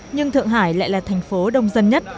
nhưng thượng hải lại là thành phố đông dân nhất